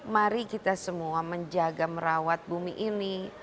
mari kita semua menjaga merawat bumi ini